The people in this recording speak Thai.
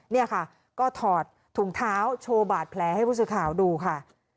นี่ค่ะก็ถอดถุงเท้าโชว์บาดแผลให้ผู้สื่อข่าวดูค่ะ